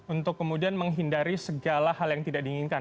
untuk kemudian menghindari segala hal yang tidak diinginkan